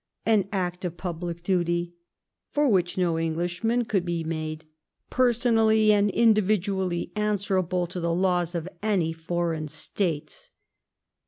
an act of public duty," for which no Englishman could be made '' personally and individually answerable to the laws of any foreign States."